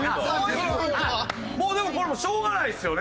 もうでもこれしょうがないですよね。